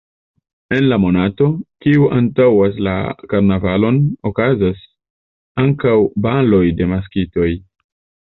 En la monato, kiu antaŭas la karnavalon, okazas ankaŭ baloj de maskitoj.